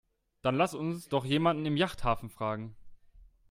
Dann lass uns doch jemanden im Yachthafen fragen.